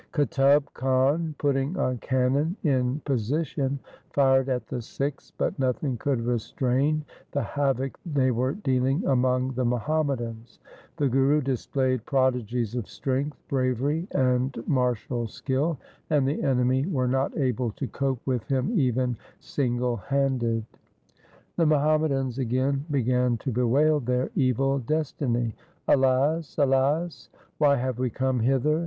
Qutub Khan, putting a cannon in position, fired at the Sikhs, but nothing could restrain the havoc they were dealing among the Muhammadans. The Guru displayed prodigies of strength, bravery, and martial skill, and the enemy were not able to cope with him even single handed. The Muhammadans again began to bewail their evil destiny :' Alas ! alas ! why have we come hither